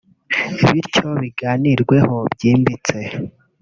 bityo biganirweho byimbitse